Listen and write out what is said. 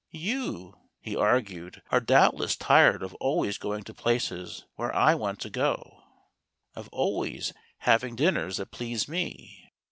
"You," he argued, " are doubtless tired of always going to places where I want to go, of always having [21 ] dinners that please me.